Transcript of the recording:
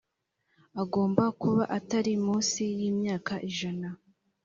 agomba kuba atari munsi y imyaka ijana